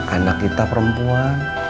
anak kita perempuan